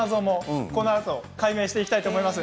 このあと解明していきたいと思います。